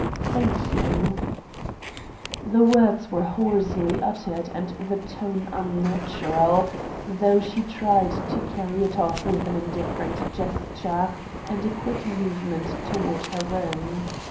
"Thank you." The words were hoarsely uttered and the tone unnatural, though she tried to carry it off with an indifferent gesture and a quick movement toward her room.